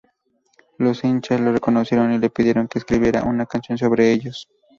Los hinchas lo reconocieron y le pidieron que escribiera una canción sobre ellos.